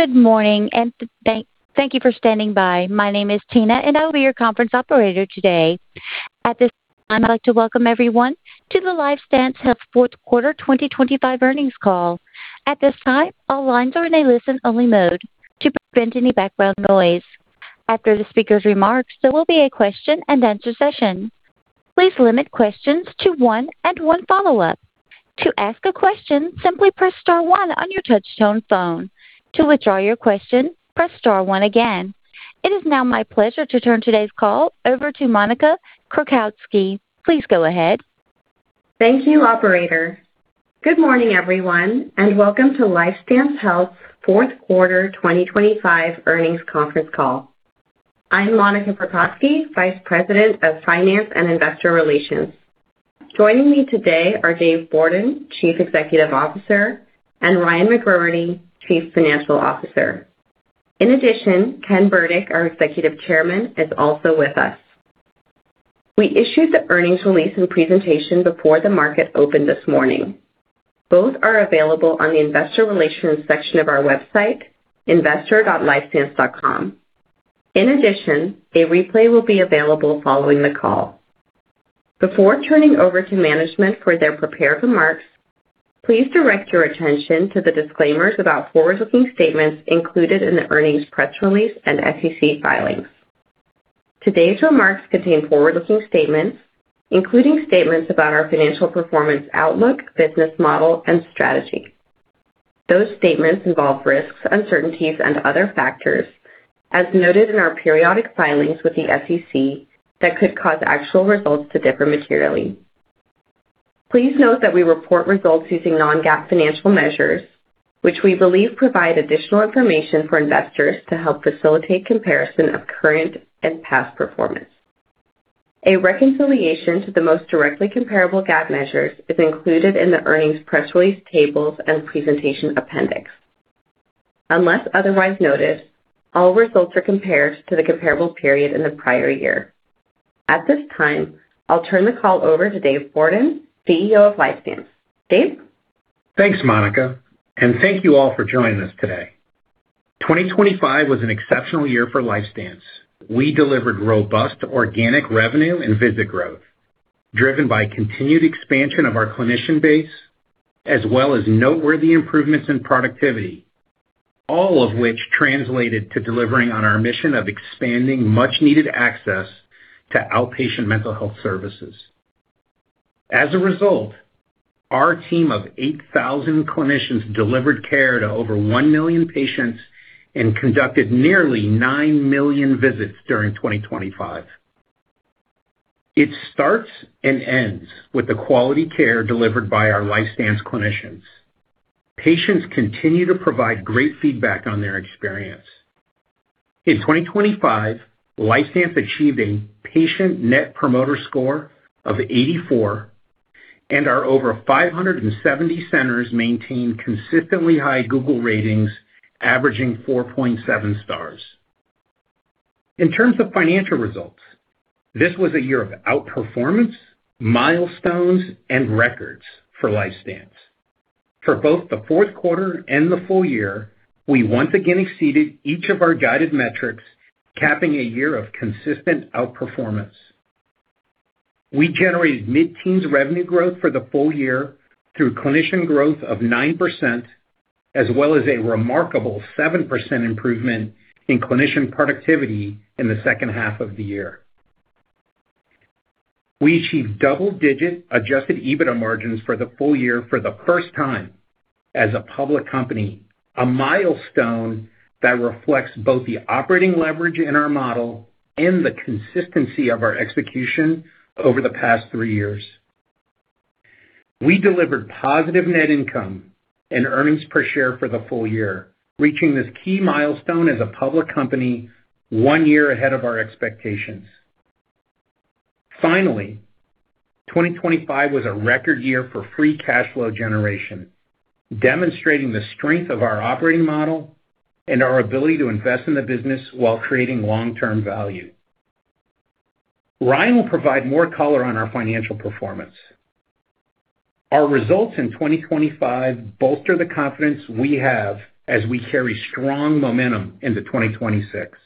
Good morning, and thank you for standing by. My name is Tina, and I'll be your conference operator today. At this time, I'd like to welcome everyone to the LifeStance Health Fourth Quarter 2025 earnings call. At this time, all lines are in a listen-only mode to prevent any background noise. After the speaker's remarks, there will be a question-and-answer session. Please limit questions to one and one follow-up. To ask a question, simply press star one on your touchtone phone. To withdraw your question, press star one again. It is now my pleasure to turn today's call over to Monica Prokaziuk. Please go ahead. Thank you, operator. Good morning, everyone, and welcome to LifeStance Health's fourth quarter 2025 earnings conference call. I'm Monica Prokocki, Vice President of Finance and Investor Relations. Joining me today are Dave Bourdon, Chief Executive Officer, and Ryan McGroarty, Chief Financial Officer. In addition, Ken Burdick, our Executive Chairman, is also with us. We issued the earnings release and presentation before the market opened this morning. Both are available on the investor relations section of our website, investor.lifestance.com. In addition, a replay will be available following the call. Before turning over to management for their prepared remarks, please direct your attention to the disclaimers about forward-looking statements included in the earnings press release and SEC filings. Today's remarks contain forward-looking statements, including statements about our financial performance, outlook, business model, and strategy. Those statements involve risks, uncertainties, and other factors, as noted in our periodic filings with the SEC, that could cause actual results to differ materially. Please note that we report results using non-GAAP financial measures, which we believe provide additional information for investors to help facilitate comparison of current and past performance. A reconciliation to the most directly comparable GAAP measures is included in the earnings press release tables and presentation appendix. Unless otherwise noted, all results are compared to the comparable period in the prior year. At this time, I'll turn the call over to Dave Bourdon, CEO of LifeStance. Dave? Thanks, Monica. Thank you all for joining us today. 2025 was an exceptional year for LifeStance. We delivered robust organic revenue and visit growth, driven by continued expansion of our clinician base, as well as noteworthy improvements in productivity, all of which translated to delivering on our mission of expanding much-needed access to outpatient mental health services. As a result, our team of 8,000 clinicians delivered care to over 1 million patients and conducted nearly 9 million visits during 2025. It starts and ends with the quality care delivered by our LifeStance clinicians. Patients continue to provide great feedback on their experience. In 2025, LifeStance achieved a patient Net Promoter Score of 84. Our over 570 centers maintained consistently high Google ratings, averaging 4.7 stars. In terms of financial results, this was a year of outperformance, milestones, and records for LifeStance. For both the fourth quarter and the full year, we once again exceeded each of our guided metrics, capping a year of consistent outperformance. We generated mid-teens revenue growth for the full year through clinician growth of 9%, as well as a remarkable 7% improvement in clinician productivity in the second half of the year. We achieved double-digit Adjusted EBITDA margins for the full year for the first time as a public company, a milestone that reflects both the operating leverage in our model and the consistency of our execution over the past three years. We delivered positive net income and earnings per share for the full year, reaching this key milestone as a public company one year ahead of our expectations. Finally, 2025 was a record year for free cash flow generation, demonstrating the strength of our operating model and our ability to invest in the business while creating long-term value. Ryan will provide more color on our financial performance. Our results in 2025 bolster the confidence we have as we carry strong momentum into 2026.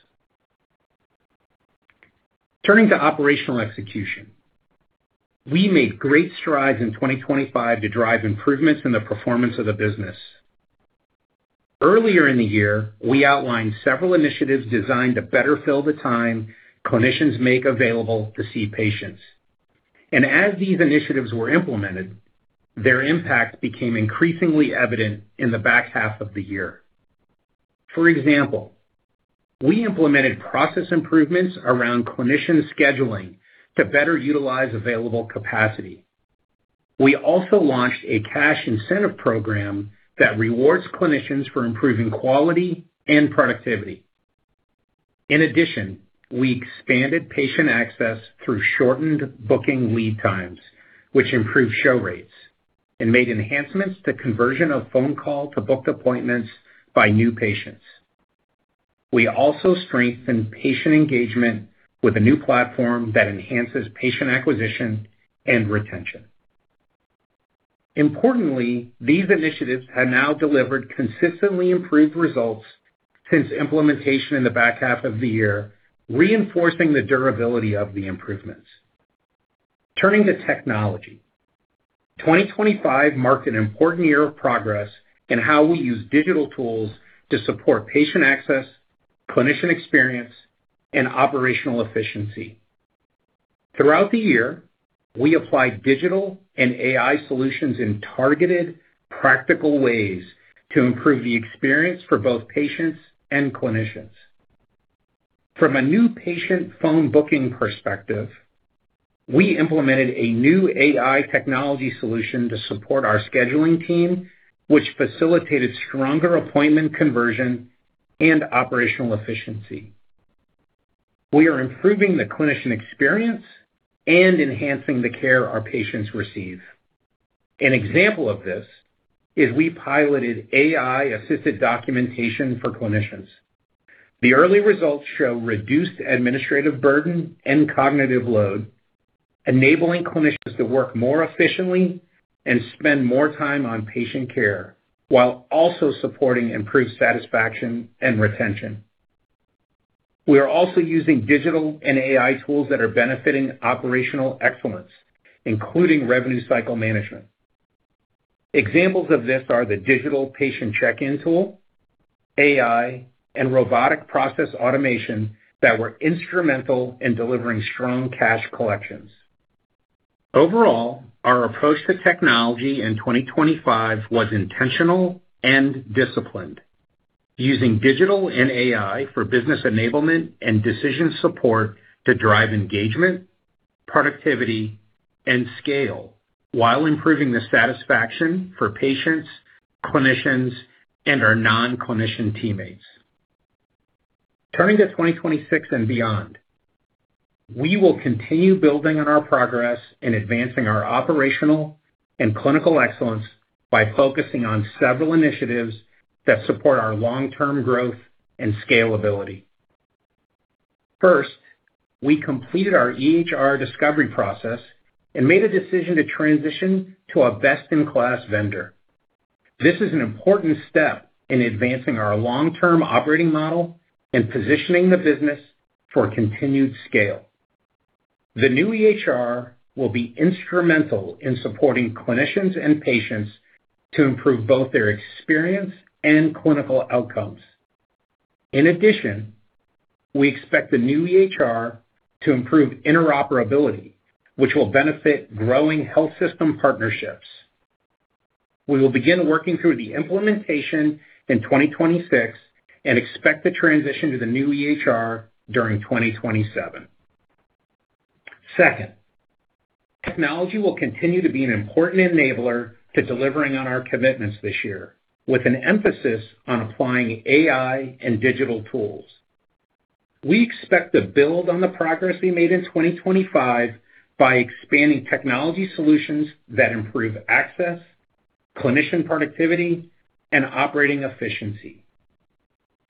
Turning to operational execution. We made great strides in 2025 to drive improvements in the performance of the business. Earlier in the year, we outlined several initiatives designed to better fill the time clinicians make available to see patients. As these initiatives were implemented, their impact became increasingly evident in the back half of the year. For example, we implemented process improvements around clinician scheduling to better utilize available capacity. We also launched a cash incentive program that rewards clinicians for improving quality and productivity. In addition, we expanded patient access through shortened booking lead times, which improved show rates and made enhancements to conversion of phone call to booked appointments by new patients. We also strengthened patient engagement with a new platform that enhances patient acquisition and retention. These initiatives have now delivered consistently improved results since implementation in the back half of the year, reinforcing the durability of the improvements. Turning to technology. 2025 marked an important year of progress in how we use digital tools to support patient access, clinician experience, and operational efficiency. Throughout the year, we applied digital and AI solutions in targeted, practical ways to improve the experience for both patients and clinicians. From a new patient phone booking perspective, we implemented a new AI technology solution to support our scheduling team, which facilitated stronger appointment conversion and operational efficiency. We are improving the clinician experience and enhancing the care our patients receive. An example of this is we piloted AI-assisted documentation for clinicians. The early results show reduced administrative burden and cognitive load, enabling clinicians to work more efficiently and spend more time on patient care, while also supporting improved satisfaction and retention. We are also using digital and AI tools that are benefiting operational excellence, including Revenue Cycle Management. Examples of this are the digital patient check-in tool, AI, and Robotic Process Automation that were instrumental in delivering strong cash collections. Overall, our approach to technology in 2025 was intentional and disciplined, using digital and AI for business enablement and decision support to drive engagement, productivity, and scale while improving the satisfaction for patients, clinicians, and our non-clinician teammates. Turning to 2026 and beyond, we will continue building on our progress in advancing our operational and clinical excellence by focusing on several initiatives that support our long-term growth and scalability. First, we completed our EHR discovery process and made a decision to transition to a best-in-class vendor. This is an important step in advancing our long-term operating model and positioning the business for continued scale. The new EHR will be instrumental in supporting clinicians and patients to improve both their experience and clinical outcomes. We expect the new EHR to improve interoperability, which will benefit growing health system partnerships. We will begin working through the implementation in 2026 and expect the transition to the new EHR during 2027. Second, technology will continue to be an important enabler to delivering on our commitments this year, with an emphasis on applying AI and digital tools. We expect to build on the progress we made in 2025 by expanding technology solutions that improve access, clinician productivity, and operating efficiency.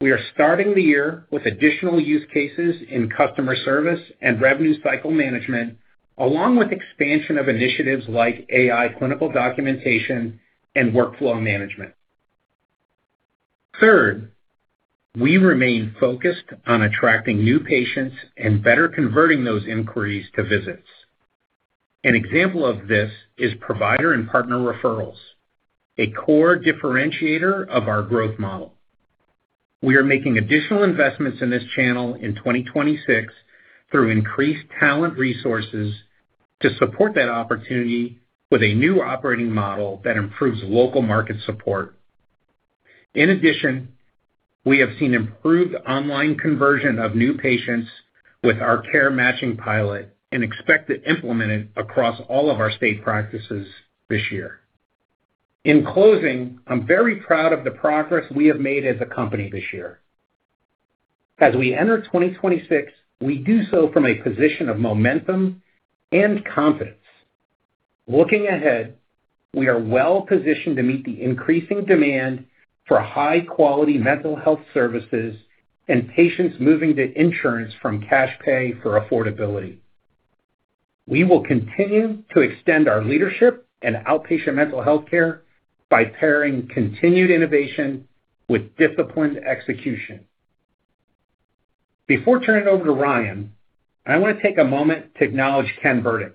We are starting the year with additional use cases in customer service and Revenue Cycle Management, along with expansion of initiatives like AI clinical documentation and workflow management. Third, we remain focused on attracting new patients and better converting those inquiries to visits. An example of this is provider and partner referrals, a core differentiator of our growth model. We are making additional investments in this channel in 2026 through increased talent resources to support that opportunity with a new operating model that improves local market support. In addition, we have seen improved online conversion of new patients with our care matching pilot and expect to implement it across all of our state practices this year. In closing, I'm very proud of the progress we have made as a company this year. As we enter 2026, we do so from a position of momentum and confidence. Looking ahead, we are well positioned to meet the increasing demand for high-quality mental health services and patients moving to insurance from cash pay for affordability. We will continue to extend our leadership and outpatient mental health care by pairing continued innovation with disciplined execution. Before turning it over to Ryan, I want to take a moment to acknowledge Ken Burdick.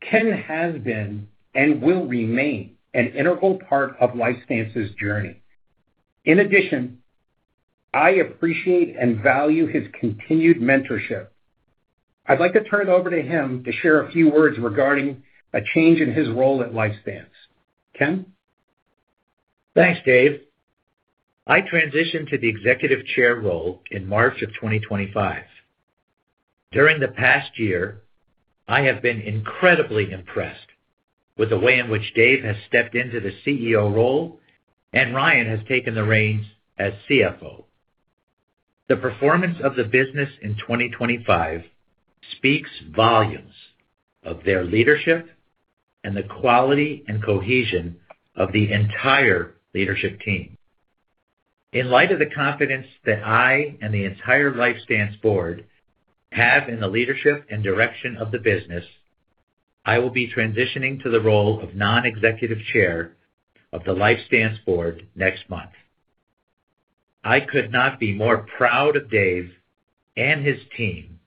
Ken has been and will remain an integral part of LifeStance's journey. In addition, I appreciate and value his continued mentorship. I'd like to turn it over to him to share a few words regarding a change in his role at LifeStance. Ken? Thanks, Dave. I transitioned to the executive chair role in March of 2025. During the past year, I have been incredibly impressed with the way in which Dave has stepped into the CEO role and Ryan has taken the reins as CFO. The performance of the business in 2025 speaks volumes of their leadership and the quality and cohesion of the entire leadership team. In light of the confidence that I and the entire LifeStance board have in the leadership and direction of the business, I will be transitioning to the role of non-executive chair of the LifeStance board next month. I could not be more proud of Dave and his team,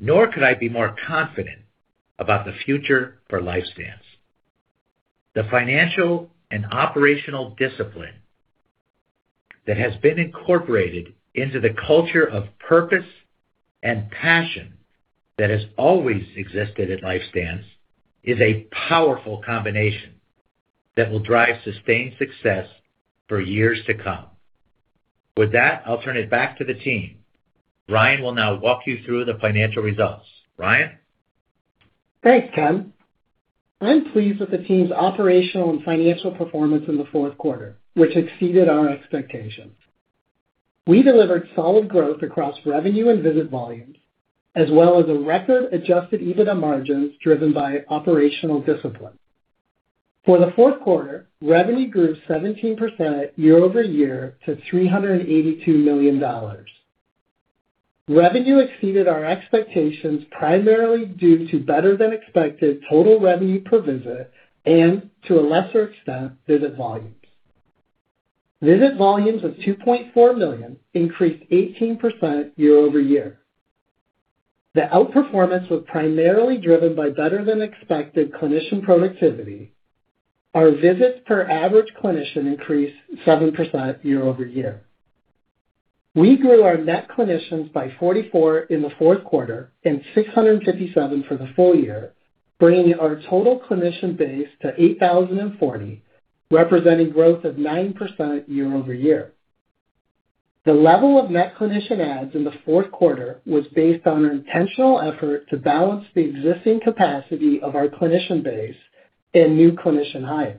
nor could I be more confident about the future for LifeStance. The financial and operational discipline that has been incorporated into the culture of purpose and passion that has always existed at LifeStance Health, is a powerful combination that will drive sustained success for years to come. With that, I'll turn it back to the team. Ryan will now walk you through the financial results. Ryan? Thanks, Ken. I'm pleased with the team's operational and financial performance in the fourth quarter, which exceeded our expectations. We delivered solid growth across revenue and visit volumes, as well as a record Adjusted EBITDA margins driven by operational discipline. For the fourth quarter, revenue grew 17% year-over-year to $382 million. Revenue exceeded our expectations, primarily due to better-than-expected total revenue per visit and, to a lesser extent, visit volumes. Visit volumes of 2.4 million increased 18% year-over-year. The outperformance was primarily driven by better-than-expected clinician productivity. Our visits per average clinician increased 7% year-over-year. We grew our net clinicians by 44 in the fourth quarter and 657 for the full year, bringing our total clinician base to 8,040, representing growth of 9% year-over-year. The level of net clinician adds in the fourth quarter was based on an intentional effort to balance the existing capacity of our clinician base and new clinician hires.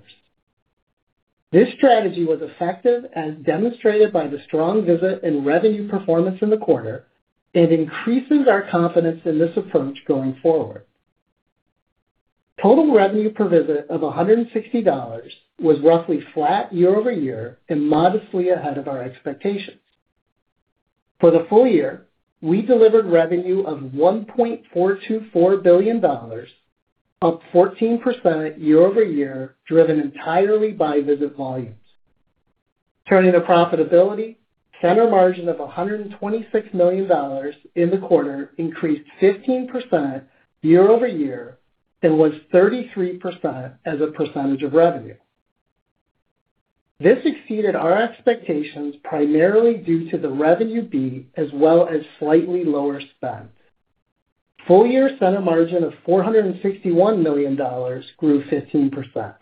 This strategy was effective, as demonstrated by the strong visit and revenue performance in the quarter, increases our confidence in this approach going forward. Total revenue per visit of $160 was roughly flat year-over-year and modestly ahead of our expectations. For the full year, we delivered revenue of $1.424 billion, up 14% year-over-year, driven entirely by visit volumes. Turning to profitability, Center Margin of $126 million in the quarter increased 15% year-over-year and was 33% as a percentage of revenue. This exceeded our expectations, primarily due to the revenue beat, as well as slightly lower spend. Full year Center Margin of $461 million grew 15%.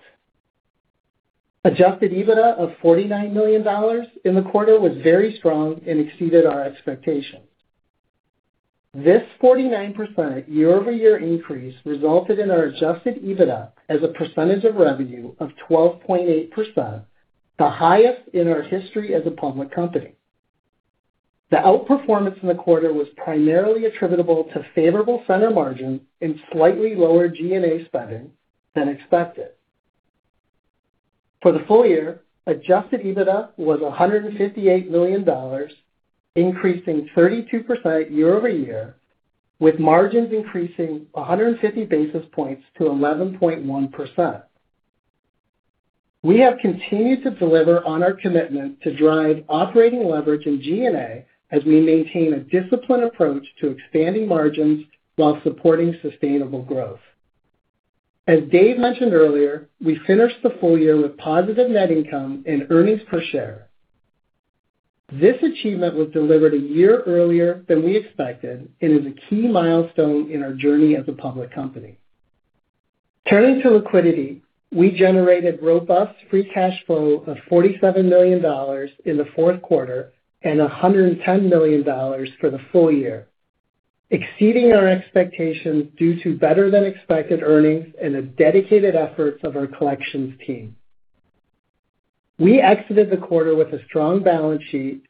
Adjusted EBITDA of $49 million in the quarter was very strong and exceeded our expectations. This 49% year-over-year increase resulted in our Adjusted EBITDA as a percentage of revenue of 12.8%, the highest in our history as a public company. The outperformance in the quarter was primarily attributable to favorable Center Margin and slightly lower G&A spending than expected. For the full year, Adjusted EBITDA was $158 million, increasing 32% year-over-year, with margins increasing 150 basis points to 11.1%. We have continued to deliver on our commitment to drive operating leverage in G&A as we maintain a disciplined approach to expanding margins while supporting sustainable growth. As Dave mentioned earlier, we finished the full year with positive net income and earnings per share. This achievement was delivered a year earlier than we expected and is a key milestone in our journey as a public company. Turning to liquidity, we generated robust free cash flow of $47 million in the fourth quarter and $110 million for the full year, exceeding our expectations due to better-than-expected earnings and the dedicated efforts of our collections team. We exited the quarter with a strong balance sheet,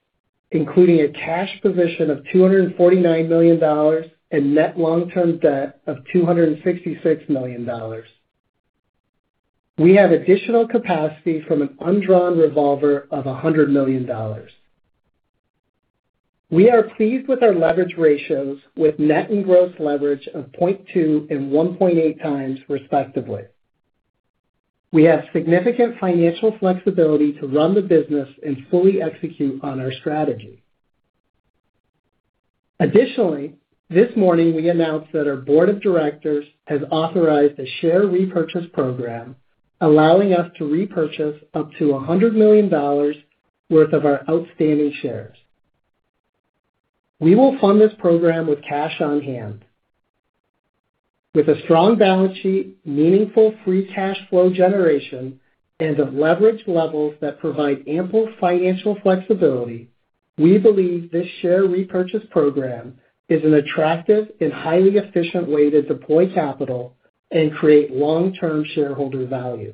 including a cash position of $249 million and net long-term debt of $266 million. We have additional capacity from an undrawn revolver of $100 million. We are pleased with our leverage ratios with net and gross leverage of 0.2 and 1.8 times, respectively. We have significant financial flexibility to run the business and fully execute on our strategy. Additionally, this morning, we announced that our board of directors has authorized a share repurchase program, allowing us to repurchase up to $100 million worth of our outstanding shares. We will fund this program with cash on hand. With a strong balance sheet, meaningful free cash flow generation, and leverage levels that provide ample financial flexibility, we believe this share repurchase program is an attractive and highly efficient way to deploy capital and create long-term shareholder value.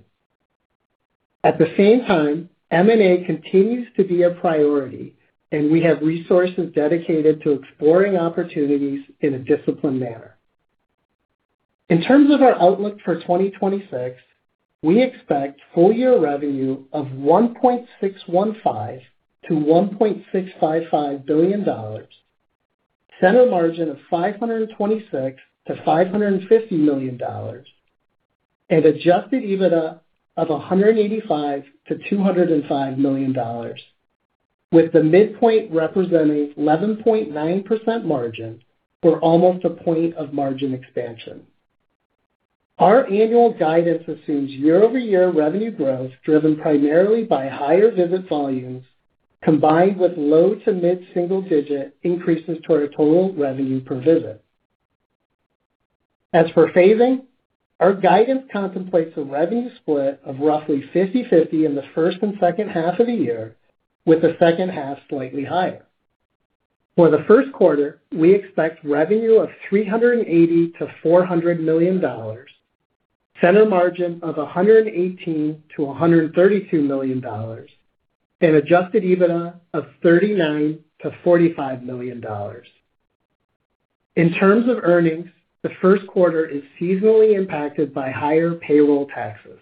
At the same time, M&A continues to be a priority, and we have resources dedicated to exploring opportunities in a disciplined manner. In terms of our outlook for 2026, we expect full year revenue of $1.615 billion-$1.655 billion, Center Margin of $526 million-$550 million, and Adjusted EBITDA of $185 million-$205 million, with the midpoint representing 11.9% margin or almost a point of margin expansion. Our annual guidance assumes year-over-year revenue growth, driven primarily by higher visit volumes, combined with low to mid-single digit increases to our total revenue per visit. As for phasing, our guidance contemplates a revenue split of roughly 50/50 in the first and second half of the year, with the second half slightly higher. For the first quarter, we expect revenue of $380 million-$400 million, Center Margin of $118 million-$132 million, and Adjusted EBITDA of $39 million-$45 million. In terms of earnings, the first quarter is seasonally impacted by higher payroll taxes.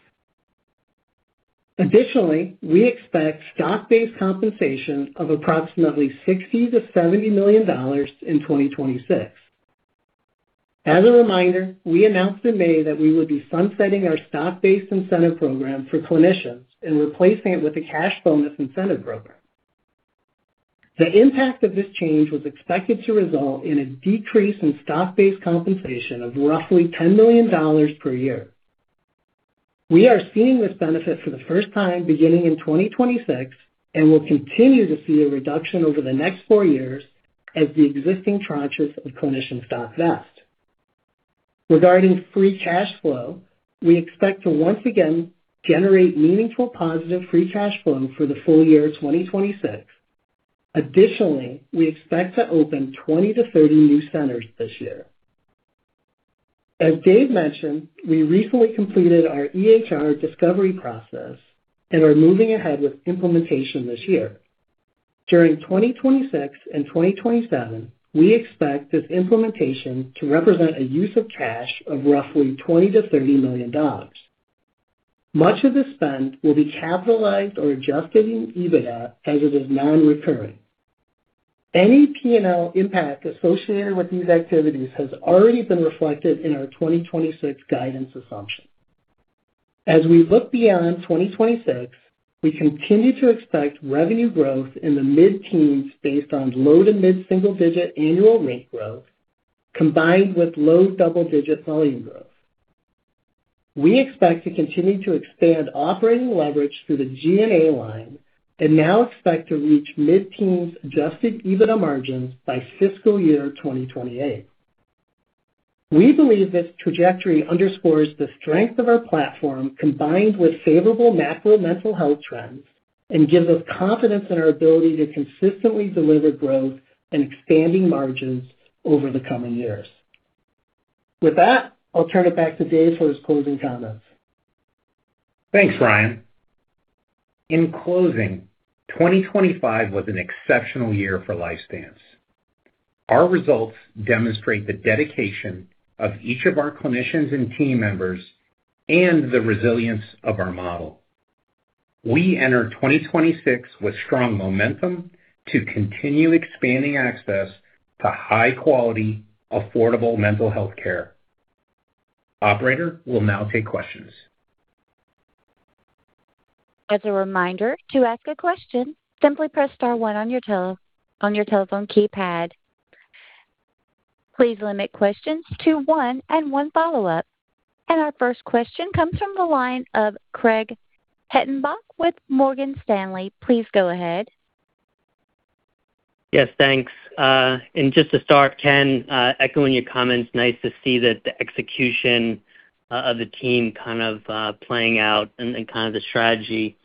Additionally, we expect stock-based compensation of approximately $60 million-$70 million in 2026. As a reminder, we announced in May that we would be sunsetting our stock-based incentive program for clinicians and replacing it with a cash bonus incentive program. The impact of this change was expected to result in a decrease in stock-based compensation of roughly $10 million per year. We are seeing this benefit for the first time beginning in 2026, and will continue to see a reduction over the next four years as the existing tranches of clinician stock vest. Regarding free cash flow, we expect to once again generate meaningful positive free cash flow for the full year 2026. Additionally, we expect to open 20 to 30 new centers this year. As Dave mentioned, we recently completed our EHR discovery process and are moving ahead with implementation this year. During 2026 and 2027, we expect this implementation to represent a use of cash of roughly $20 million-$30 million. Much of the spend will be capitalized or Adjusted EBITDA as it is non-recurring. Any P&L impact associated with these activities has already been reflected in our 2026 guidance assumption. As we look beyond 2026, we continue to expect revenue growth in the mid-teens based on low to mid-single digit annual rate growth, combined with low double-digit volume growth. We expect to continue to expand operating leverage through the G&A line and now expect to reach mid-teens Adjusted EBITDA margins by fiscal year 2028. We believe this trajectory underscores the strength of our platform, combined with favorable macro mental health trends, and gives us confidence in our ability to consistently deliver growth and expanding margins over the coming years. With that, I'll turn it back to Dave for his closing comments. Thanks, Ryan. In closing, 2025 was an exceptional year for LifeStance. Our results demonstrate the dedication of each of our clinicians and team members and the resilience of our model. We enter 2026 with strong momentum to continue expanding access to high quality, affordable mental health care. Operator, we'll now take questions. As a reminder, to ask a question, simply press star one on your telephone keypad. Please limit questions to one and one follow-up. Our first question comes from the line of Craig Hettenbach with Morgan Stanley. Please go ahead. Yes, thanks. Just to start, Ken, echoing your comments, nice to see that the execution of the team kind of playing out and kind of the strategy.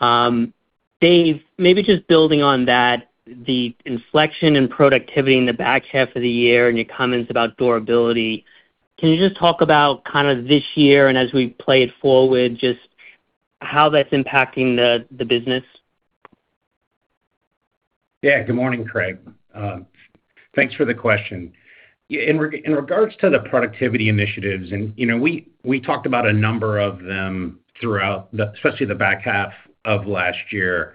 Dave, maybe just building on that, the inflection in productivity in the back half of the year and your comments about durability, can you just talk about kind of this year and as we play it forward, just how that's impacting the business? Good morning, Craig. Thanks for the question. In regards to the productivity initiatives, and, you know, we talked about a number of them throughout, especially the back half of last year.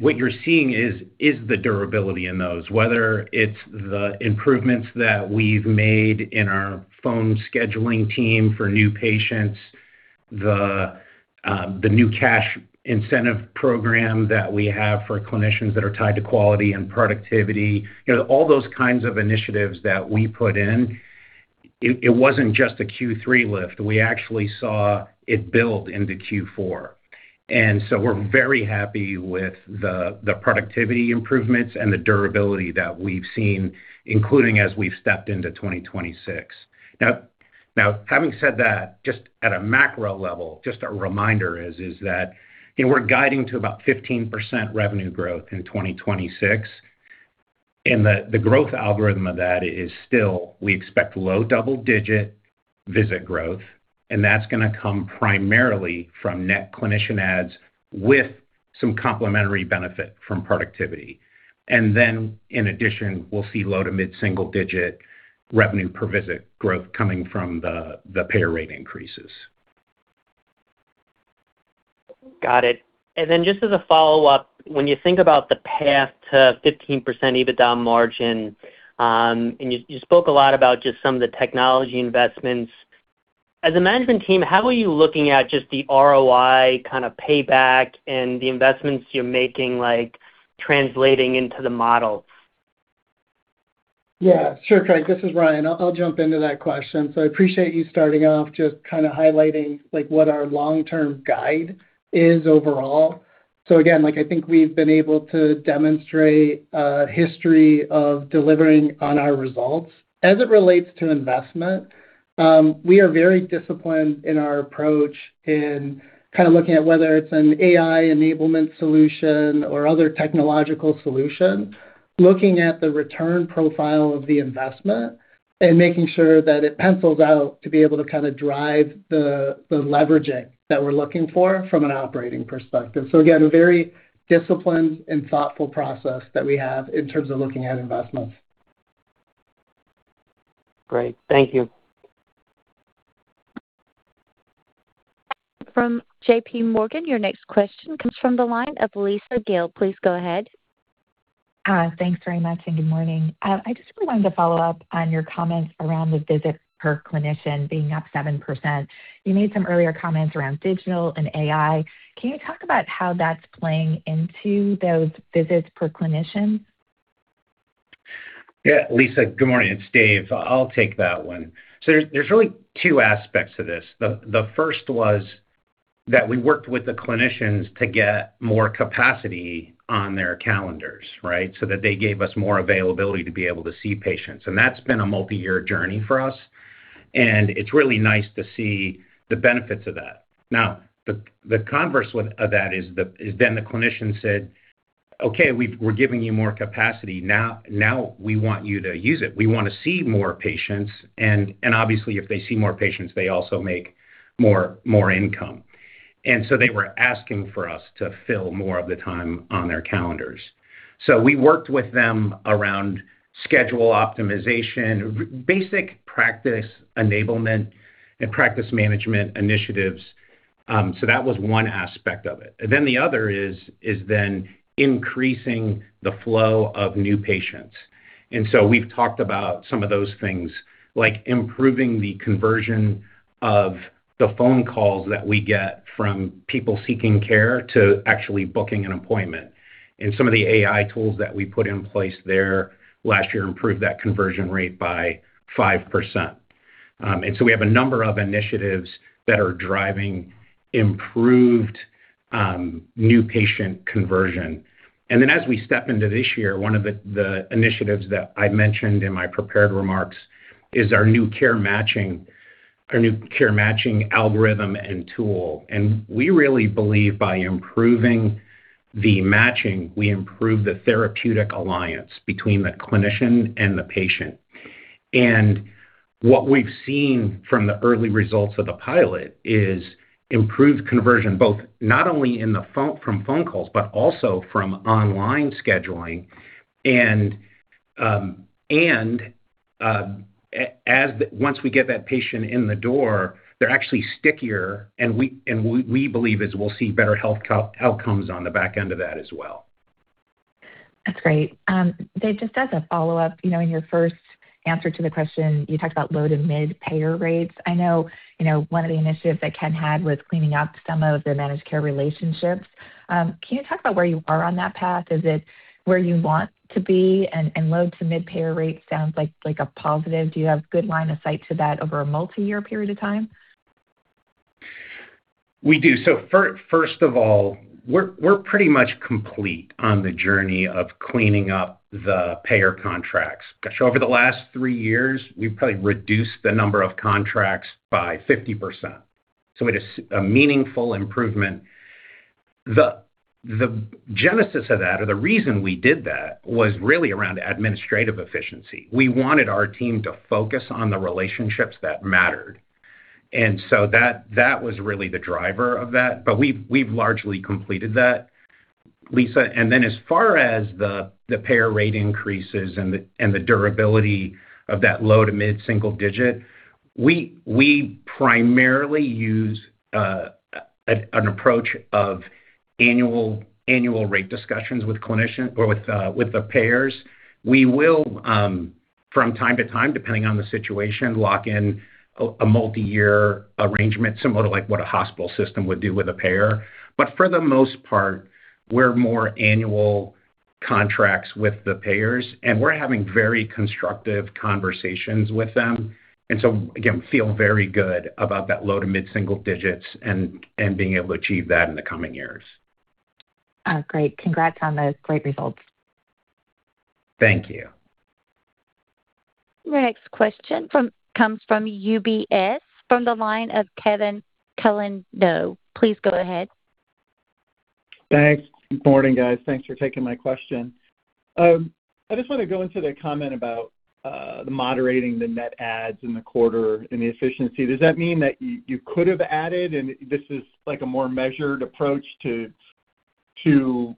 What you're seeing is the durability in those, whether it's the improvements that we've made in our phone scheduling team for new patients, the new cash incentive program that we have for clinicians that are tied to quality and productivity. You know, all those kinds of initiatives that we put in, it wasn't just a Q3 lift. We actually saw it build into Q4. We're very happy with the productivity improvements and the durability that we've seen, including as we've stepped into 2026. Now, having said that, just at a macro level, just a reminder is that, you know, we're guiding to about 15% revenue growth in 2026, and the growth algorithm of that is still, we expect low double digit visit growth, and that's gonna come primarily from net clinician adds with some complementary benefit from productivity. In addition, we'll see low to mid-single digit total revenue per visit growth coming from the payer rate increases. Got it. Then just as a follow-up, when you think about the path to 15% EBITDA margin, and you spoke a lot about just some of the technology investments. As a management team, how are you looking at just the ROI kind of payback and the investments you're making, like, translating into the models? Yeah, sure, Craig. This is Ryan. I'll jump into that question. I appreciate you starting off just kind of highlighting, like, what our long-term guide is overall. Again, like, I think we've been able to demonstrate a history of delivering on our results. As it relates to investment, we are very disciplined in our approach in kind of looking at whether it's an AI enablement solution or other technological solution, looking at the return profile of the investment and making sure that it pencils out to be able to kind of drive the leveraging that we're looking for from an operating perspective. Again, very disciplined and thoughtful process that we have in terms of looking at investments. Great. Thank you. From J.P. Morgan, your next question comes from the line of Lisa Gill. Please go ahead. Hi. Thanks very much, and good morning. I just wanted to follow up on your comments around the visits per clinician being up 7%. You made some earlier comments around digital and AI. Can you talk about how that's playing into those visits per clinician? Yeah, Lisa, good morning. It's Dave. I'll take that one. There's really two aspects to this. The first was that we worked with the clinicians to get more capacity on their calendars, right? That they gave us more availability to be able to see patients, and that's been a multi-year journey for us, and it's really nice to see the benefits of that. The converse of that is then the clinician said: "Okay, we're giving you more capacity. Now, we want you to use it. We want to see more patients." Obviously, if they see more patients, they also make more income. They were asking for us to fill more of the time on their calendars. We worked with them around schedule optimization, basic practice enablement and practice management initiatives. That was one aspect of it. The other is increasing the flow of new patients. We've talked about some of those things, like improving the conversion of the phone calls that we get from people seeking care to actually booking an appointment. Some of the AI tools that we put in place there last year improved that conversion rate by 5%. We have a number of initiatives that are driving improved new patient conversion. As we step into this year, one of the initiatives that I mentioned in my prepared remarks is our new care matching algorithm and tool. We really believe by improving the matching, we improve the therapeutic alliance between the clinician and the patient. What we've seen from the early results of the pilot is improved conversion, both not only in the phone, from phone calls, but also from online scheduling. Once we get that patient in the door, they're actually stickier, and we believe we'll see better health outcomes on the back end of that as well. That's great. Dave, just as a follow-up, you know, in your first answer to the question, you talked about low to mid payer rates. I know, you know, one of the initiatives that Ken had was cleaning up some of the managed care relationships. Can you talk about where you are on that path? Is it where you want to be? Low to mid payer rates sounds like a positive. Do you have good line of sight to that over a multi-year period of time? We do. First of all, we're pretty much complete on the journey of cleaning up the payer contracts. Over the last three years, we've probably reduced the number of contracts by 50%. It is a meaningful improvement. The genesis of that, or the reason we did that, was really around administrative efficiency. We wanted our team to focus on the relationships that mattered, that was really the driver of that. We've largely completed that, Lisa. As far as the payer rate increases and the durability of that low to mid-single digit, we primarily use an approach of annual rate discussions with clinicians or with the payers. We will, from time to time, depending on the situation, lock in a multi-year arrangement, similar to like what a hospital system would do with a payer. For the most part, we're more annual contracts with the payers. We're having very constructive conversations with them. Again, feel very good about that low to mid-single digits and being able to achieve that in the coming years. Oh, great. Congrats on those great results. Thank you. Our next question comes from UBS, from the line of Kevin Caliendo. Please go ahead. Thanks. Good morning, guys. Thanks for taking my question. I just want to go into the comment about the moderating the net adds in the quarter and the efficiency. Does that mean that you could have added, and this is like a more measured approach to, you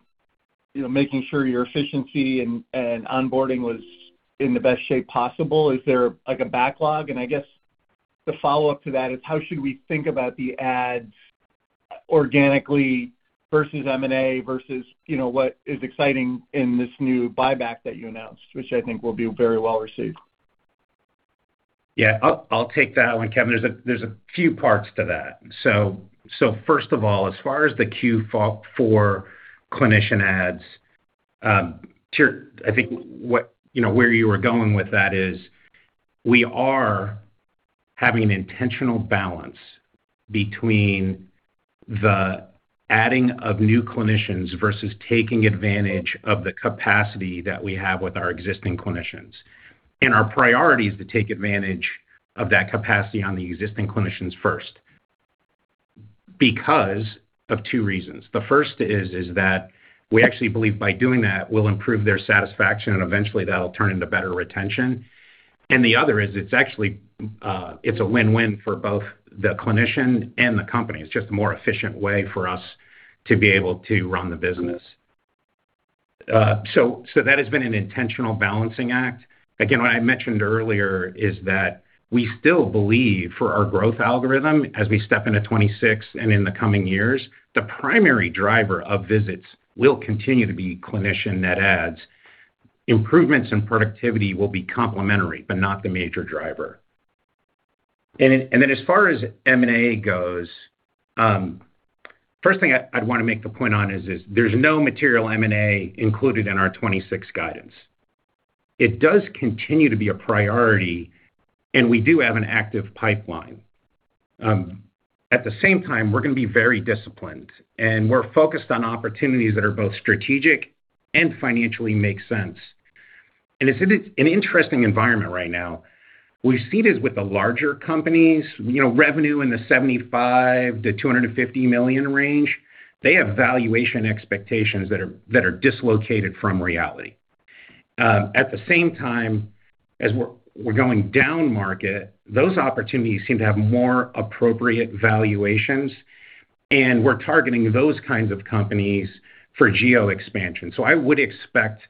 know, making sure your efficiency and onboarding was in the best shape possible? Is there, like, a backlog? I guess the follow-up to that is, how should we think about the ads organically versus M&A, versus, you know, what is exciting in this new buyback that you announced, which I think will be very well received? Yeah. I'll take that one, Kevin. There's a few parts to that. First of all, as far as the Q4 clinician adds. I think what, you know, where you were going with that is, we are having an intentional balance between the adding of new clinicians versus taking advantage of the capacity that we have with our existing clinicians. Our priority is to take advantage of that capacity on the existing clinicians first, because of two reasons. The first is that we actually believe by doing that, we'll improve their satisfaction, and eventually that'll turn into better retention. The other is, it's actually a win-win for both the clinician and the company. It's just a more efficient way for us to be able to run the business. That has been an intentional balancing act. Again, what I mentioned earlier is that we still believe, for our growth algorithm, as we step into 2026 and in the coming years, the primary driver of visits will continue to be clinician net adds. Improvements in productivity will be complementary, but not the major driver. Then as far as M&A goes, first thing I'd want to make the point on is there's no material M&A included in our 2026 guidance. It does continue to be a priority, and we do have an active pipeline. At the same time, we're going to be very disciplined, and we're focused on opportunities that are both strategic and financially makes sense. It's an interesting environment right now. We've seen it with the larger companies, you know, revenue in the $75 million-$250 million range. They have valuation expectations that are dislocated from reality. At the same time, as we're going down market, those opportunities seem to have more appropriate valuations. We're targeting those kinds of companies for geo expansion. I would expect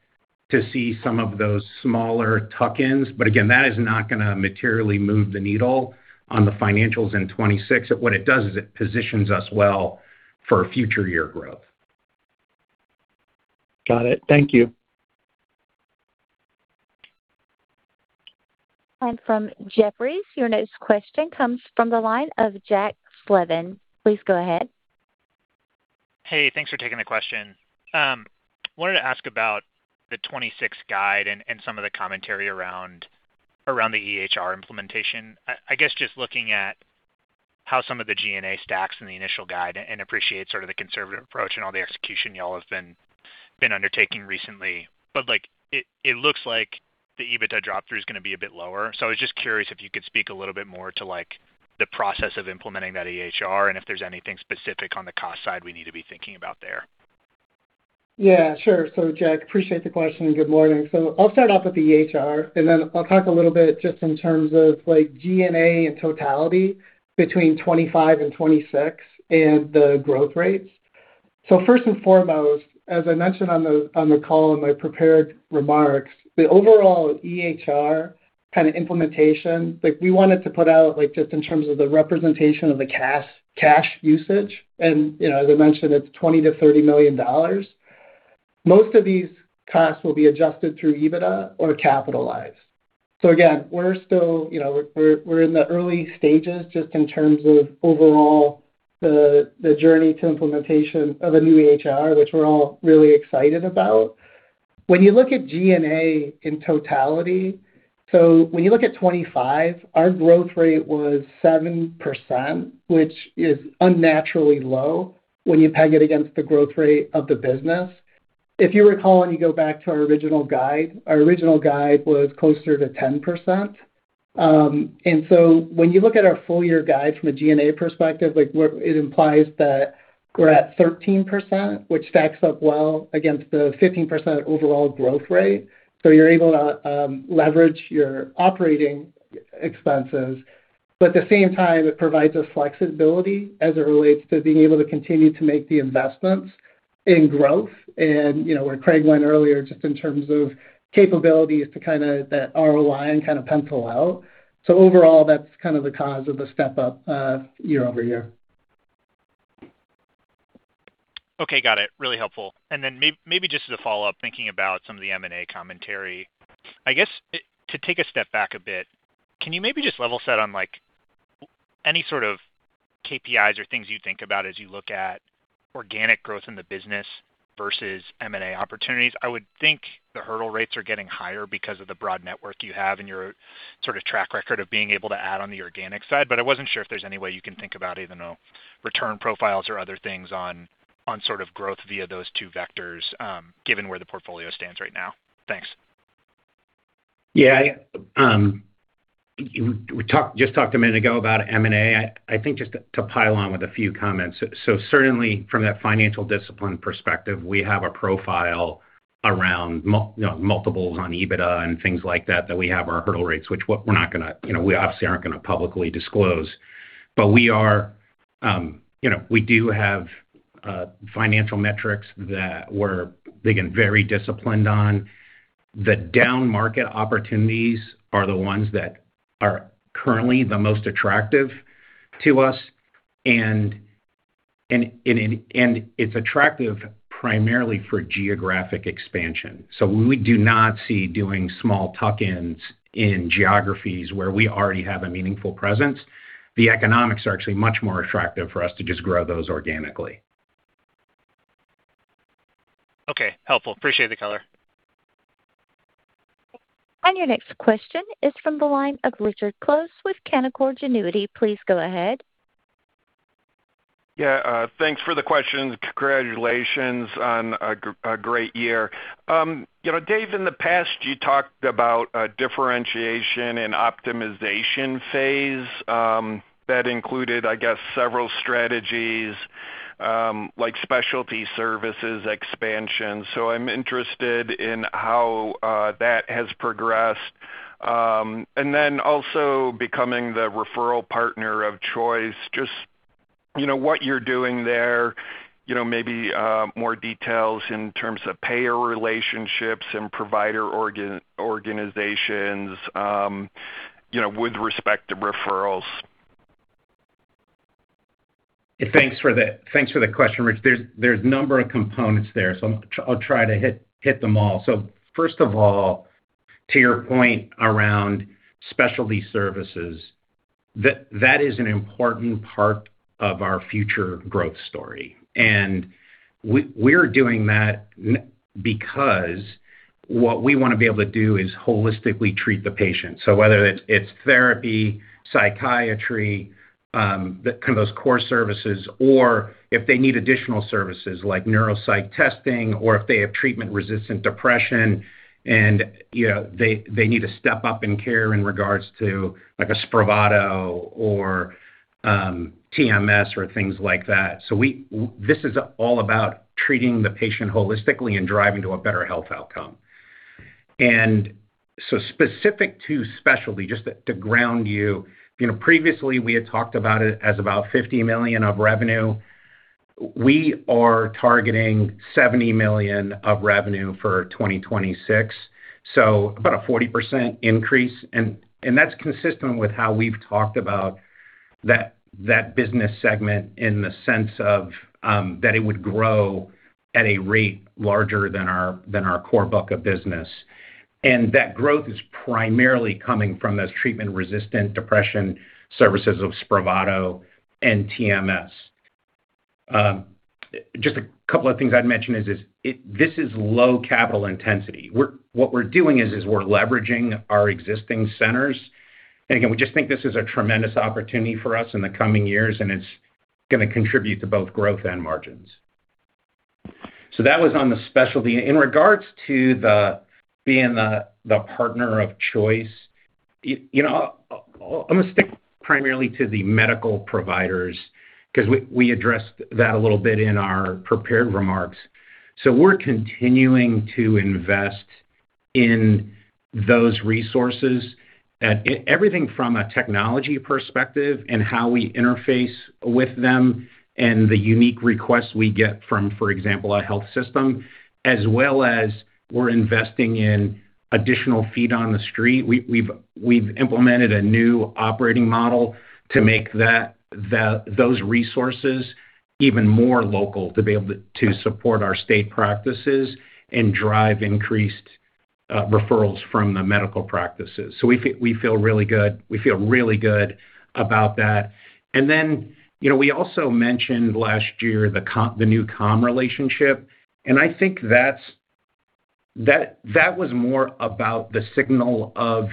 to see some of those smaller tuck-ins, but again, that is not gonna materially move the needle on the financials in 2026. What it does is it positions us well for future year growth. Got it. Thank you. From Jefferies, your next question comes from the line of Jack Slevin. Please go ahead. Hey, thanks for taking the question. Wanted to ask about the 2026 guide and some of the commentary around the EHR implementation. I guess just looking at how some of the G&A stacks in the initial guide and appreciate sort of the conservative approach and all the execution you all have been undertaking recently. Like, it looks like the EBITDA drop-through is gonna be a bit lower. I was just curious if you could speak a little more to, like, the process of implementing that EHR and if there's anything specific on the cost side we need to be thinking about there. Yeah, sure. Jack, appreciate the question, and good morning. I'll start off with the EHR, and then I'll talk a little bit just in terms of, like, G&A in totality between 2025 and 2026 and the growth rates. First and foremost, as I mentioned on the call in my prepared remarks, the overall EHR kind of implementation, like, we wanted to put out, like, just in terms of the representation of the cash usage, and, you know, as I mentioned, it's $20 million-$30 million. Most of these costs will be adjusted through EBITDA or capitalized. Again, we're still, you know, we're in the early stages just in terms of overall, the journey to implementation of a new EHR, which we're all really excited about. When you look at G&A in totality, when you look at 25, our growth rate was 7%, which is unnaturally low when you peg it against the growth rate of the business. If you recall, when you go back to our original guide, our original guide was closer to 10%. When you look at our full year guide from a G&A perspective, like where it implies that we're at 13%, which stacks up well against the 15% overall growth rate. You're able to leverage your operating expenses, but at the same time, it provides us flexibility as it relates to being able to continue to make the investments in growth. You know, where Craig went earlier, just in terms of capabilities to kinda that ROI and kind of pencil out. Overall, that's kind of the cause of the step up, year-over-year. Okay, got it. Really helpful. Maybe just as a follow-up, thinking about some of the M&A commentary. I guess, to take a step back a bit, can you maybe just level set on, like, any sort of KPIs or things you think about as you look at organic growth in the business versus M&A opportunities? I would think the hurdle rates are getting higher because of the broad network you have and your sort of track record of being able to add on the organic side, but I wasn't sure if there's any way you can think about even, return profiles or other things on sort of growth via those two vectors, given where the portfolio stands right now. Thanks.... Yeah, I, you, we talked, just talked a minute ago about M&A. I think just to pile on with a few comments. Certainly from that financial discipline perspective, we have a profile around multiples on EBITDA and things like that we have our hurdle rates, which we're not gonna, you know, we obviously aren't gonna publicly disclose. We are, you know, we do have financial metrics that we're, again, very disciplined on. The downmarket opportunities are the ones that are currently the most attractive to us, and it's attractive primarily for geographic expansion. We do not see doing small tuck-ins in geographies where we already have a meaningful presence. The economics are actually much more attractive for us to just grow those organically. Okay, helpful. Appreciate the color. Your next question is from the line of Richard Close with Canaccord Genuity. Please go ahead. Yeah, thanks for the question, and congratulations on a great year. You know, Dave, in the past, you talked about a differentiation and optimization phase that included, I guess, several strategies, like specialty services expansion. I'm interested in how that has progressed. Also becoming the referral partner of choice, just, you know, what you're doing there, you know, maybe more details in terms of payer relationships and provider organizations, you know, with respect to referrals. Thanks for the question, Rich. There's a number of components there, so I'll try to hit them all. First of all, to your point around specialty services, that is an important part of our future growth story, and we're doing that because what we want to be able to do is holistically treat the patient. Whether it's therapy, psychiatry, the kind of those core services, or if they need additional services like neuropsych testing, or if they have treatment-resistant depression, and, you know, they need to step up in care in regards to, like, a SPRAVATO or TMS or things like that. This is all about treating the patient holistically and driving to a better health outcome. Specific to specialty, just to ground you know, previously we had talked about it as about $50 million of revenue. We are targeting $70 million of revenue for 2026, so about a 40% increase. That's consistent with how we've talked about that business segment in the sense of that it would grow at a rate larger than our core book of business. That growth is primarily coming from those treatment-resistant depression services of SPRAVATO and TMS. Just a couple of things I'd mention is this is low capital intensity. What we're doing is we're leveraging our existing centers. Again, we just think this is a tremendous opportunity for us in the coming years, and it's gonna contribute to both growth and margins. That was on the specialty. In regards to being the partner of choice, you know, I'm gonna stick primarily to the medical providers because we addressed that a little bit in our prepared remarks. We're continuing to invest in those resources, everything from a technology perspective and how we interface with them and the unique requests we get from, for example, a health system, as well as we're investing in additional feet on the street. We've implemented a new operating model to make those resources even more local, to be able to support our state practices and drive increased referrals from the medical practices. We feel really good, we feel really good about that. You know, we also mentioned last year the new Calm relationship, I think that was more about the signal of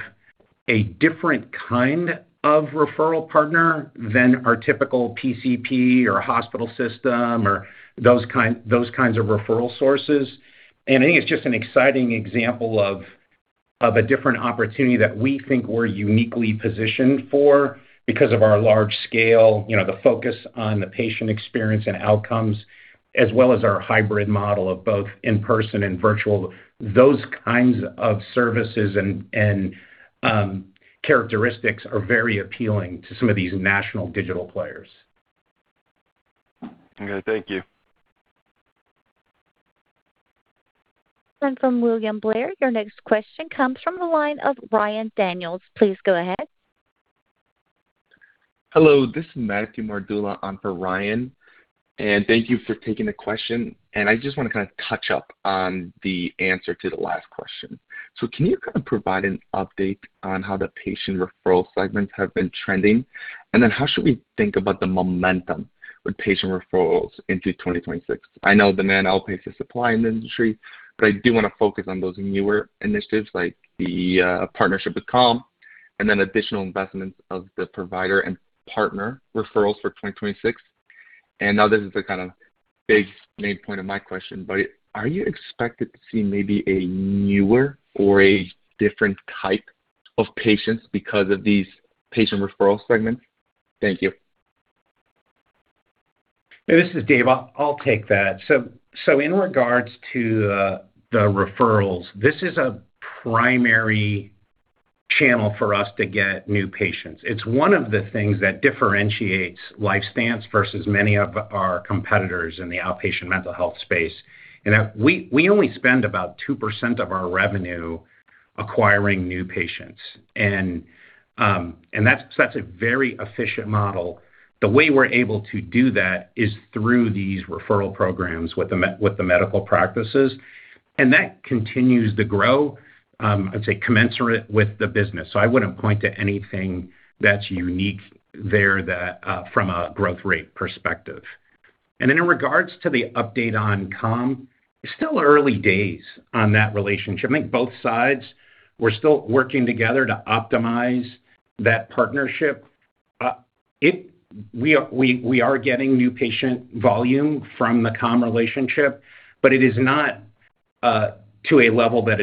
a different kind of referral partner than our typical PCP or hospital system or those kinds of referral sources. I think it's just an exciting example of a different opportunity that we think we're uniquely positioned for because of our large scale, you know, the focus on the patient experience and outcomes, as well as our hybrid model of both in-person and virtual. Those kinds of services and characteristics are very appealing to some of these national digital players. Okay. Thank you. From William Blair, your next question comes from the line of Ryan Daniels. Please go ahead. Hello, this is Matthew Mardula on for Ryan. Thank you for taking the question. I just want to kind of touch up on the answer to the last question. Can you kind of provide an update on how the patient referral segments have been trending? How should we think about the momentum with patient referrals into 2026? I know demand outpaces supply in the industry. I do want to focus on those newer initiatives, like the partnership with Calm, additional investments of the provider and partner referrals for 2026. ... now this is the kind of big main point of my question. Are you expected to see maybe a newer or a different type of patients because of these patient referral segments? Thank you. This is Dave. I'll take that. In regards to the referrals, this is a primary channel for us to get new patients. It's one of the things that differentiates LifeStance versus many of our competitors in the outpatient mental health space. We only spend about 2% of our revenue acquiring new patients, and that's a very efficient model. The way we're able to do that is through these referral programs with the medical practices, and that continues to grow, I'd say, commensurate with the business. I wouldn't point to anything that's unique there that from a growth rate perspective. In regards to the update on Calm, it's still early days on that relationship. I think both sides, we're still working together to optimize that partnership. We are getting new patient volume from the Calm relationship, but it is not to a level that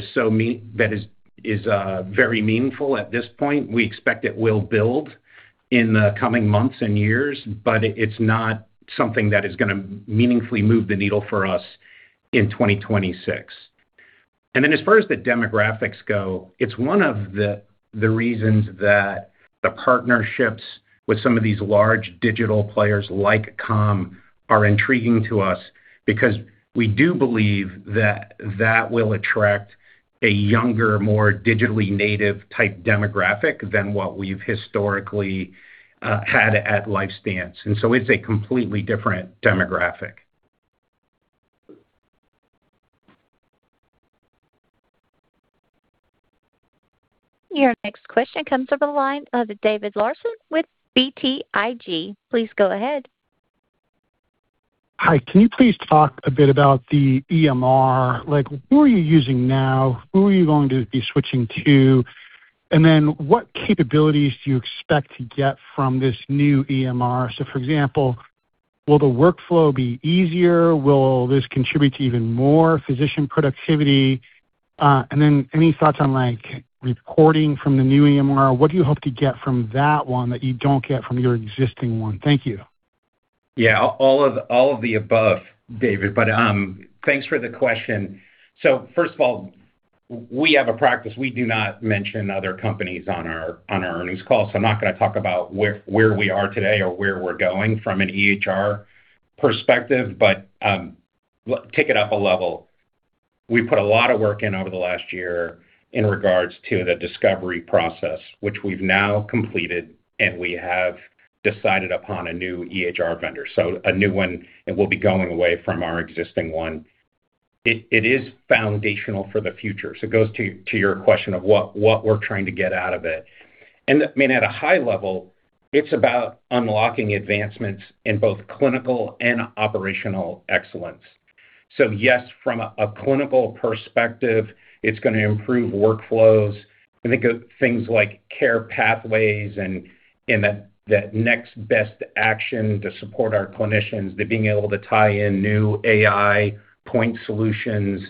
is very meaningful at this point. We expect it will build in the coming months and years, but it's not something that is gonna meaningfully move the needle for us in 2026. Then as far as the demographics go, it's one of the reasons that the partnerships with some of these large digital players like Calm are intriguing to us because we do believe that that will attract a younger, more digitally native type demographic than what we've historically had at LifeStance. So it's a completely different demographic. Your next question comes from the line of David Larsen with BTIG. Please go ahead. Hi, can you please talk a bit about the EMR? Like, who are you using now, who are you going to be switching to? What capabilities do you expect to get from this new EMR? For example, will the workflow be easier? Will this contribute to even more physician productivity? Any thoughts on, like, reporting from the new EMR? What do you hope to get from that one that you don't get from your existing one? Thank you. Yeah, all of the above, David, thanks for the question. First of all, we have a practice. We do not mention other companies on our earnings call, so I'm not going to talk about where we are today or where we're going from an EHR perspective. Take it up a level. We put a lot of work in over the last year in regards to the discovery process, which we've now completed, and we have decided upon a new EHR vendor, so a new one, and we'll be going away from our existing one. It is foundational for the future. It goes to your question of what we're trying to get out of it. I mean, at a high level, it's about unlocking advancements in both clinical and operational excellence. Yes, from a clinical perspective, it's going to improve workflows. I think of things like care pathways and that next best action to support our clinicians, to being able to tie in new AI point solutions,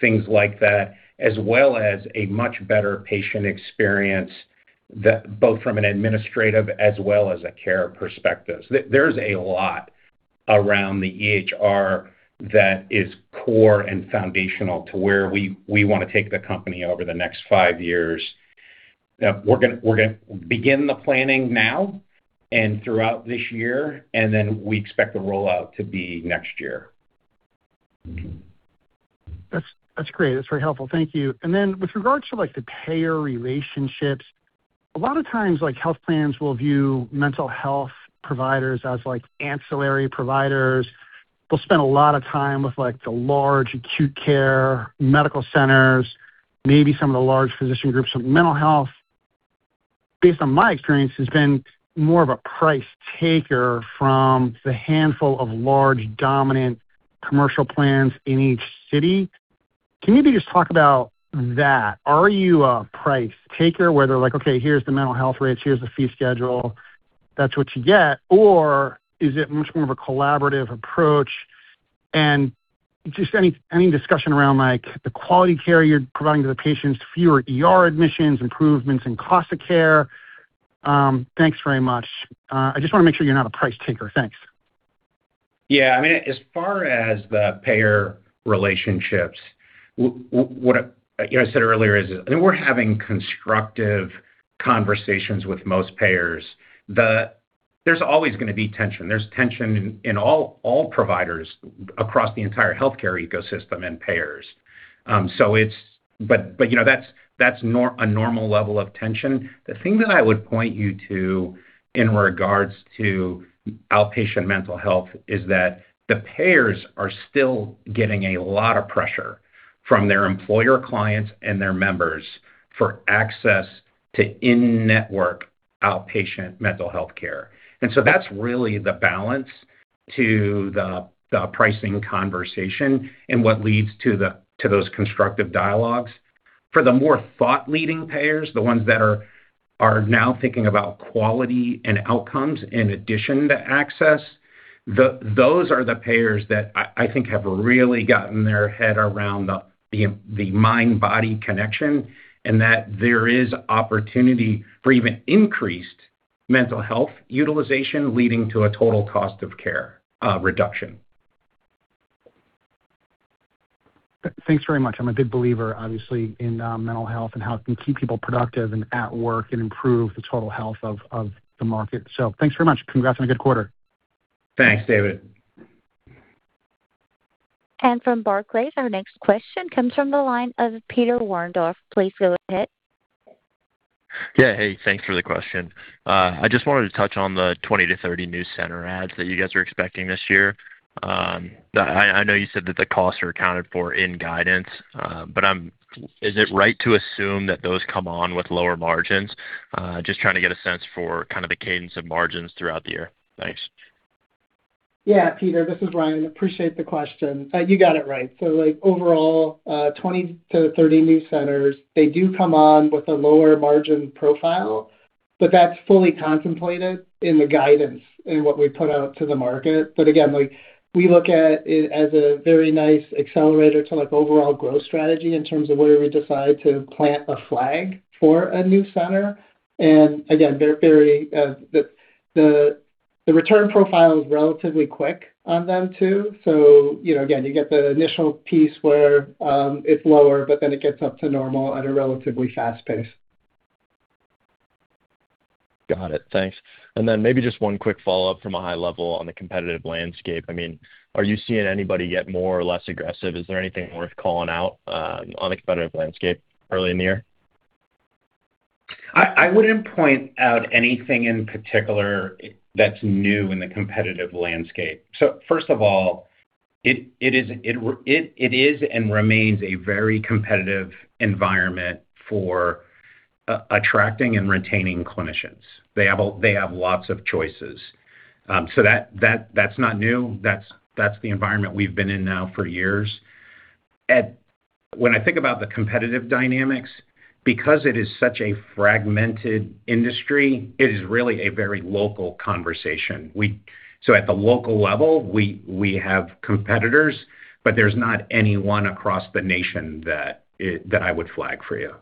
things like that, as well as a much better patient experience, both from an administrative as well as a care perspective. There's a lot around the EHR that is core and foundational to where we want to take the company over the next five years. We're going to begin the planning now and throughout this year, and then we expect the rollout to be next year. That's great. That's very helpful. Thank you. Then with regards to, like, the payer relationships, a lot of times, like, health plans will view mental health providers as, like, ancillary providers. They'll spend a lot of time with, like, the large acute care medical centers, maybe some of the large physician groups. Mental health, based on my experience, has been more of a price taker from the handful of large, dominant commercial plans in each city. Can you maybe just talk about that? Are you a price taker where they're like, "Okay, here's the mental health rates, here's the fee schedule, that's what you get," or is it much more of a collaborative approach? Just any discussion around, like, the quality care you're providing to the patients, fewer ER admissions, improvements in cost of care. Thanks very much. I just wanna make sure you're not a price taker. Thanks. Yeah, I mean, as far as the payer relationships, what I, you know, I said earlier is, we're having constructive conversations with most payers. There's always gonna be tension. There's tension in all providers across the entire healthcare ecosystem and payers. So it's, you know, that's a normal level of tension. The thing that I would point you to in regards to outpatient mental health is that the payers are still getting a lot of pressure from their employer clients and their members for access to in-network outpatient mental health care. That's really the balance to the pricing conversation and what leads to those constructive dialogues. For the more thought-leading payers, the ones that are now thinking about quality and outcomes in addition to access, those are the payers that I think have really gotten their head around the mind-body connection, and that there is opportunity for even increased mental health utilization, leading to a total cost of care reduction. Thanks very much. I'm a big believer, obviously, in mental health and how it can keep people productive and at work and improve the total health of the market. Thanks very much. Congrats on a good quarter. Thanks, David. From Barclays, our next question comes from the line of Peter Warendorf. Please go ahead. Yeah, hey, thanks for the question. I just wanted to touch on the 20 to 30 new center adds that you guys are expecting this year. I know you said that the costs are accounted for in guidance, but is it right to assume that those come on with lower margins? Just trying to get a sense for kind of the cadence of margins throughout the year. Thanks. Yeah, Peter, this is Ryan. Appreciate the question. You got it right. Like, overall, 20-30 new centers, they do come on with a lower margin profile, but that's fully contemplated in the guidance in what we put out to the market. Again, like, we look at it as a very nice accelerator to, like, overall growth strategy in terms of where we decide to plant a flag for a new center. Again, very, the return profile is relatively quick on them, too. You know, again, you get the initial piece where it's lower, but then it gets up to normal at a relatively fast pace. Got it. Thanks. Maybe just one quick follow-up from a high level on the competitive landscape. I mean, are you seeing anybody get more or less aggressive? Is there anything worth calling out on the competitive landscape early in the year? I wouldn't point out anything in particular that's new in the competitive landscape. First of all, it is and remains a very competitive environment for attracting and retaining clinicians. They have lots of choices. That's not new. That's the environment we've been in now for years. When I think about the competitive dynamics, because it is such a fragmented industry, it is really a very local conversation. At the local level, we have competitors, but there's not anyone across the nation that I would flag for you.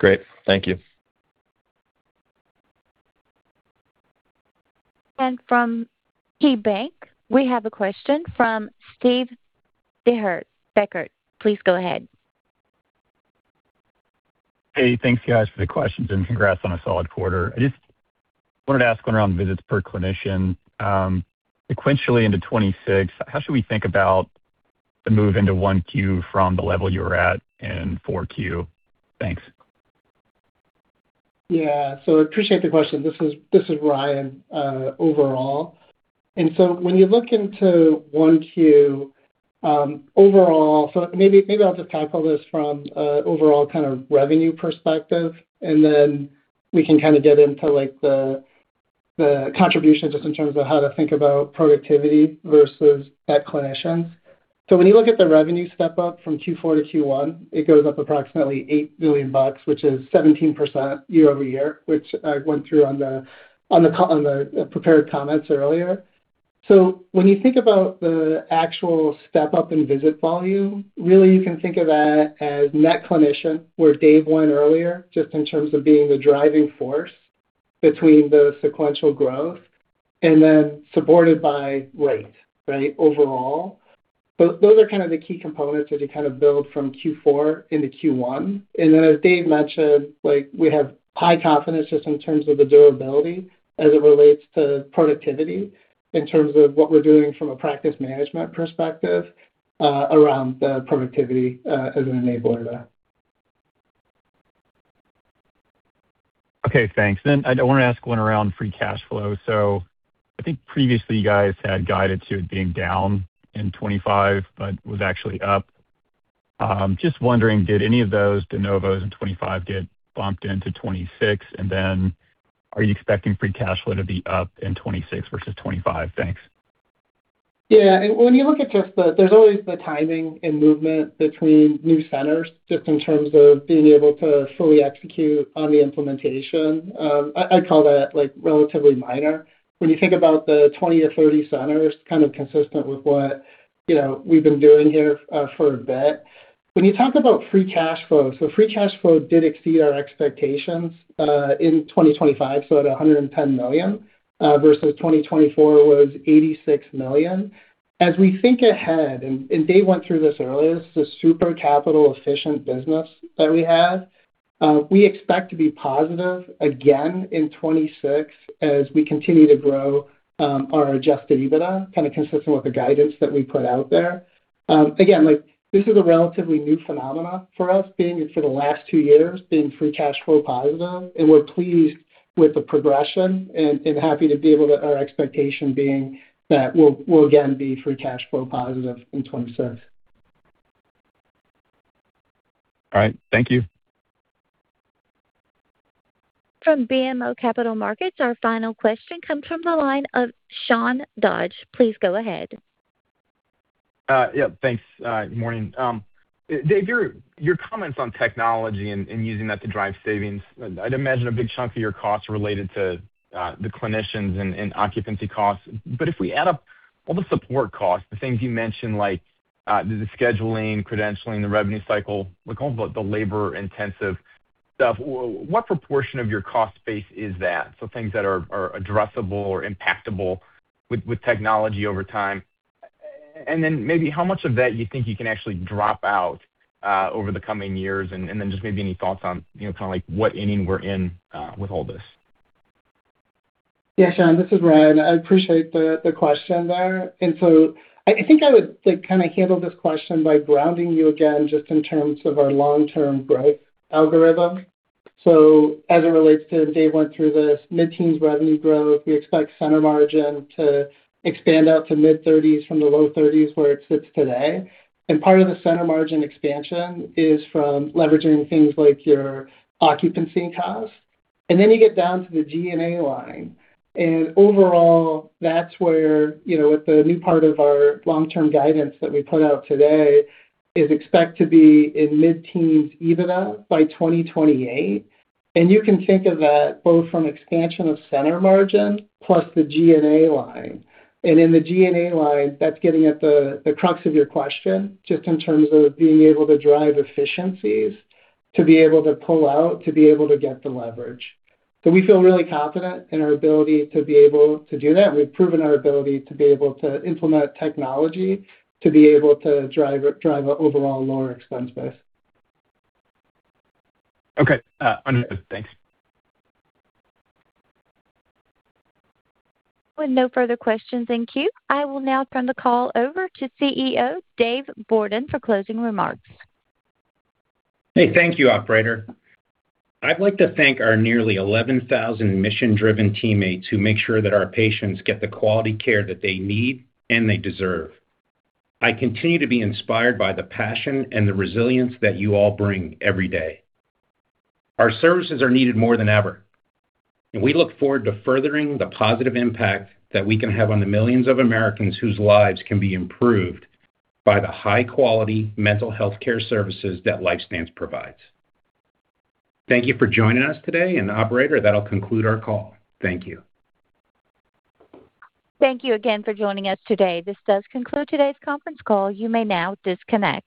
Great. Thank you. From KeyBanc, we have a question from Steve Deckert. Please go ahead. Hey, thanks, guys, for the questions. Congrats on a solid quarter. I just wanted to ask one around visits per clinician, sequentially into 2026. How should we think about the move into 1Q from the level you were at in 4Q? Thanks. Yeah. Appreciate the question. This is Ryan, overall. When you look into one Q, overall. Maybe I'll just tackle this from a overall kind of revenue perspective, and then we can kind of get into, like, the contribution just in terms of how to think about productivity versus net clinicians. When you look at the revenue step up from Q4 to Q1, it goes up approximately $8 million, which is 17% year-over-year, which I went through on the prepared comments earlier. When you think about the actual step up in visit volume, really, you can think of that as net clinician, where Dave went earlier, just in terms of being the driving force between the sequential growth and then supported by rate, right, overall. Those are kind of the key components as you kind of build from Q4 into Q1. As Dave mentioned, like, we have high confidence just in terms of the durability as it relates to productivity, in terms of what we're doing from a practice management perspective, around the productivity, as an enabler there. Okay, thanks. I want to ask one around free cash flow. I think previously you guys had guided to it being down in 25, but was actually up. Just wondering, did any of those de novos in 25 get bumped into 26? Are you expecting free cash flow to be up in 26 versus 25? Thanks. Yeah. When you look at just there's always the timing and movement between new centers, just in terms of being able to fully execute on the implementation. I'd call that, like, relatively minor. When you think about the 20-30 centers, kind of consistent with what, you know, we've been doing here for a bit. When you talk about free cash flow, free cash flow did exceed our expectations in 2025, so at $110 million, versus 2024 was $86 million. As we think ahead, and Dave went through this earlier, this is a super capital efficient business that we have. We expect to be positive again in 2026 as we continue to grow our Adjusted EBITDA, kind of consistent with the guidance that we put out there. Again, like, this is a relatively new phenomenon for us, being for the last two years, being free cash flow positive, and we're pleased with the progression and happy to be able to. Our expectation being that we'll again be free cash flow positive in 2026. All right. Thank you. From BMO Capital Markets. Our final question comes from the line of Sean Dodge. Please go ahead. Yeah, thanks. Good morning. Dave, your comments on technology and using that to drive savings, I'd imagine a big chunk of your costs are related to the clinicians and occupancy costs. If we add up all the support costs, the things you mentioned, like, the scheduling, credentialing, the revenue cycle, like, all the labor intensive stuff, what proportion of your cost base is that? So things that are addressable or impactable with technology over time. Then maybe how much of that you think you can actually drop out over the coming years? Then just maybe any thoughts on, you know, kinda like what inning we're in with all this? Yeah, Sean, this is Ryan. I appreciate the question there. I think I would, like, kinda handle this question by grounding you again, just in terms of our long-term growth algorithm. As it relates to, Dave went through this, mid-teens revenue growth, we expect Center Margin to expand out to mid-30s from the low 30s where it sits today. Part of the Center Margin expansion is from leveraging things like your occupancy costs. You get down to the G&A line, and overall, that's where, you know, with the new part of our long-term guidance that we put out today, is expect to be in mid-teens EBITDA by 2028. You can think of that both from expansion of Center Margin plus the G&A line. In the G&A line, that's getting at the crux of your question, just in terms of being able to drive efficiencies, to be able to pull out, to be able to get the leverage. We feel really confident in our ability to be able to do that. We've proven our ability to be able to implement technology, to be able to drive an overall lower expense base. Okay. understood. Thanks. With no further questions in queue, I will now turn the call over to CEO, Dave Bourdon, for closing remarks. Hey, thank you, operator. I'd like to thank our nearly 11,000 mission-driven teammates who make sure that our patients get the quality care that they need and they deserve. I continue to be inspired by the passion and the resilience that you all bring every day. Our services are needed more than ever, and we look forward to furthering the positive impact that we can have on the millions of Americans whose lives can be improved by the high-quality mental health care services that LifeStance provides. Thank you for joining us today. Operator, that'll conclude our call. Thank you. Thank you again for joining us today. This does conclude today's conference call. You may now disconnect.